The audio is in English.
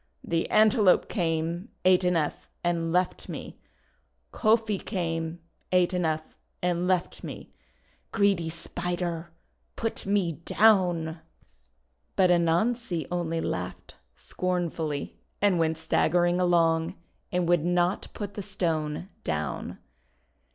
The Antelope came, ate enough, and left me! Kofi came, ate enough, and left me! Greedy Spider! Put me down!'' But Anansi only laughed scornfully, and went staggering along, and would not put the Stone down.